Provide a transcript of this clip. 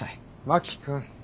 真木君。